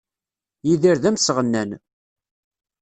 Yidir d amesɣennan.